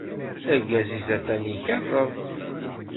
Argaz-is ata ikeṛṛeb.